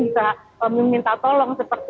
bisa meminta tolong